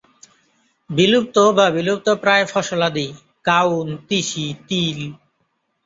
বিলুপ্ত বা বিলুপ্তপ্রায় ফসলাদি কাউন, তিসি, তিল।